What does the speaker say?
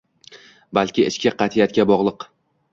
balki ichki qat’iyatiga bog‘liq.